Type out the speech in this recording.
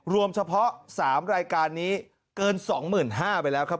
รวมเฉพาะสามรายการนี้เกินสองหมื่นห้าไปแล้วครับ